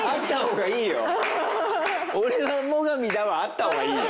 「俺はモガミだ」はあった方がいいよ！